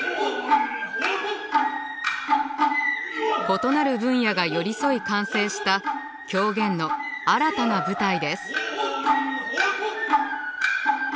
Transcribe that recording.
異なる分野が寄り添い完成した狂言の新たな舞台です。